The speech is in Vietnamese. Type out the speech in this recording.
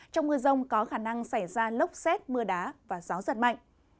trong mưa rông có khả năng xảy ra lốc xét mưa đá và gió giật mạnh